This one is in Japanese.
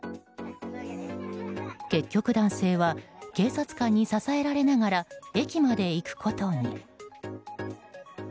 結局、男性は警察官に支えられながら駅まで行くことに。